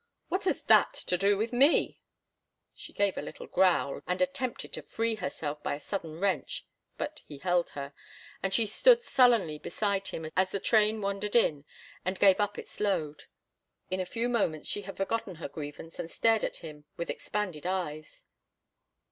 "What has that to do with me?" She gave a little growl and attempted to free herself by a sudden wrench, but he held her, and she stood sullenly beside him as the train wandered in and gave up its load. In a few moments she had forgotten her grievance and stared at him with expanded eyes.